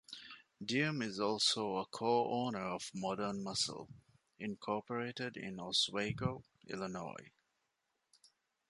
Diem is also a co-owner of Modern Muscle, Incorporated in Oswego, Illinois.